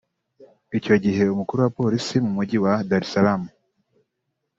Icyo gihe umukuru wa Polisi mu mujyi wa Dar Es Salaam